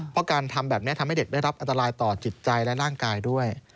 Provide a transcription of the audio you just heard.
เพราะการทำแบบนี้ทำให้เด็กได้รับอันตรายต่อจิตใจและร่างกายด้วย